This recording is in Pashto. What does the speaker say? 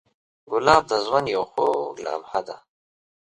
ګلاب د ژوند یو خوږ لمحه ده.